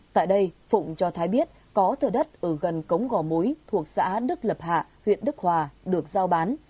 tại đây phụng cho thái biết có thờ đất ở gần cống gò múi thuộc xã đức lập hạ huyện đức hòa được giao bán